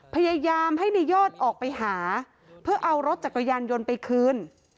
พยายามให้ในยอดออกไปหาเพื่อเอารถจักรยานยนต์ไปคืน